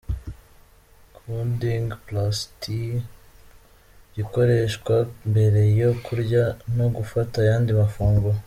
Kuding plus tea gikoreshwa mbere yo Kurya no gufata ayandi mafunguro.